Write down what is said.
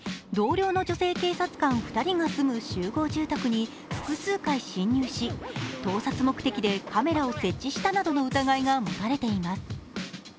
同僚の女性警察官２人が住む集合住宅に複数回侵入し、盗撮目的でカメラを設置したなどの疑いが持たれています。